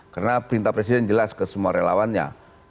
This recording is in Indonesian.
karena perintah presiden jelas ke semua relawannya